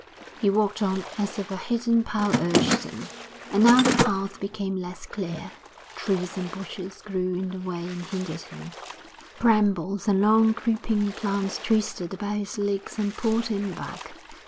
He walked on as if a hidden power urged him. And now the path became less clear; trees and bushes grew in the way and hindered him, brambles and long creeping plants twisted about his legs and pulled him back.